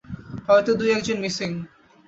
হয়তো দুই একজন মিসিং।